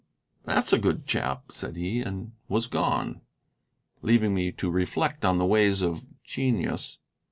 "That's a good chap," said he, and was gone, leaving me to reflect on the ways of genius.